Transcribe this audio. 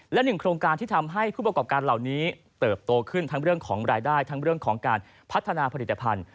และหนึ่งโครงการที่ทำให้ผู้ประกอบการเหล่านี้เติบโตขึ้นทั้งเรื่องของรายได้ทั้งเรื่องของการพัฒนาผลิตภัณฑ์